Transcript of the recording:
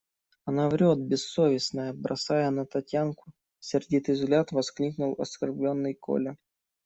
– Она врет, бессовестная! – бросая на Татьянку сердитый взгляд, воскликнул оскорбленный Коля.